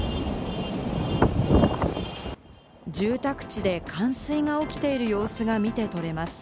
住宅地で冠水が起きている様子が見て取れます。